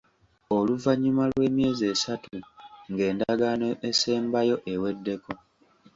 Oluvannyuma lw'emyezi esatu ng'Endagaano Esembayo eweddeko.